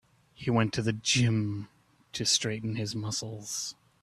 He went to gym to strengthen his muscles.